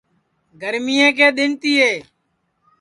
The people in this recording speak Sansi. گرمئیں کے دِؔن تِیے